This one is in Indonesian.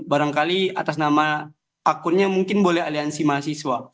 barangkali atas nama akunnya mungkin boleh aliansi mahasiswa